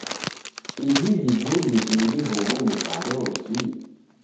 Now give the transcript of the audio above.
Ivi vibughi vingi huw'u ni vandoki?